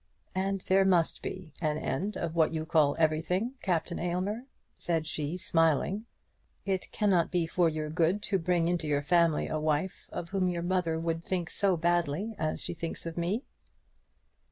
"And there must be an end of what you call everything, Captain Aylmer," said she, smiling. "It cannot be for your good to bring into your family a wife of whom your mother would think so badly as she thinks of me."